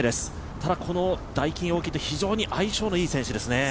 ただ、このダイキンオーキッド非常に相性のいい選手ですね。